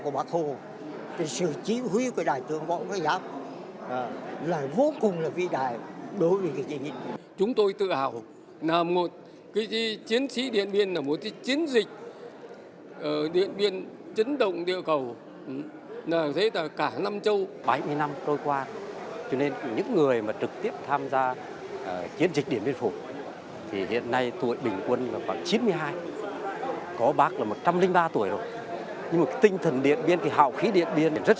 phải nói ở đây là công ơn của bạc hồ sự lãnh đạo của bạc hồ sự chiếu huy của đại trưởng bộ ngoại giám là vô cùng là vi đại đối với chiến dịch